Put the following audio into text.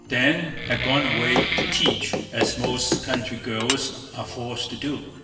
Then had gone away to teach, as most country girls are forced to do.